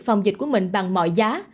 phòng dịch của mình bằng mọi giá